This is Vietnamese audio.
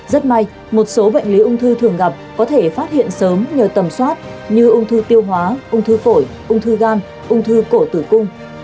rất may một số bệnh lý ung thư thường gặp có thể phát hiện sớm nhờ tầm soát như ung thư tiêu hóa ung thư phổi ung thư gan ung thư cổ tử cung